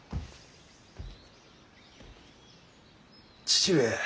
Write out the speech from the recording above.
父上。